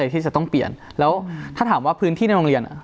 ที่จะต้องเปลี่ยนแล้วถ้าถามว่าพื้นที่ในโรงเรียนอ่ะ